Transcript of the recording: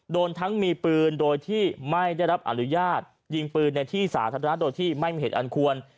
โดนทั้งมีปืนโดยที่ไม่ได้รับอนุญาตยิงปืนในที่สาธารณะโดยที่ไม่มีเหตุอันควร